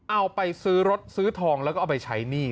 เอาไปซื้อรถซื้อทองแล้วก็เอาไปใช้หนี้